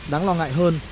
đáng lo ngại hơn